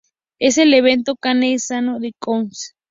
En el evento, Kane ganó el Smackdown!